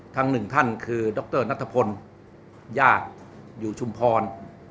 ทั้งหนึ่งท่านคือดรนัทพลญาติอยู่ชุมพร